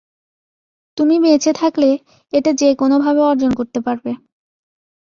তুমি বেঁচে থাকলে, এটা যেকোনোভাবে অর্জন করতে পারবে।